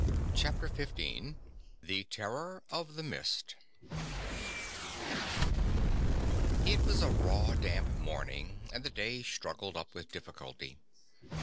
CHAPTER XV THE TERROR OF THE MIST It was a raw, damp morning and the day struggled up with difficulty.